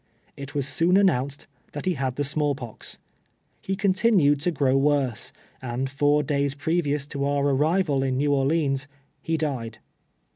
It was soon announced that he bad tlie snuall pox. lie continued to grow worse, and four days previous to our arrival in New Orleans he died.